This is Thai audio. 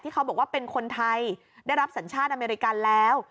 เขาบอกว่าเป็นคนไทยได้รับสัญชาติอเมริกันแล้ว